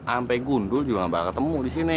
ampe gundul juga gak bakal ketemu disini